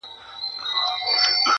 • په غرور او په خندا دام ته نیژدې سو -